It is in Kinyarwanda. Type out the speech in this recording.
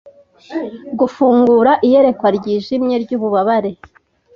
Gufungura iyerekwa ryijimye ryububabare